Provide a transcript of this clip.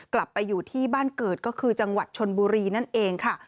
กลับไปอยู่ที่บ้านเกิดก็คือจังหวัดชนบุรีนั่นเองค่ะ